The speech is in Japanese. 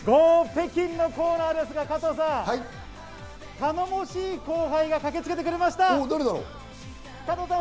北京！のコーナーですが、加藤さん、頼もしい後輩が駆けつけてくれました。